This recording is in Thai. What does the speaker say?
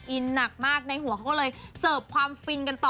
หนักมากในหัวเขาก็เลยเสิร์ฟความฟินกันต่อ